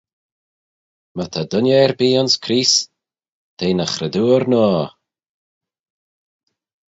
My ta dooinney erbee ayns Creest, t'eh ny chretoor noa.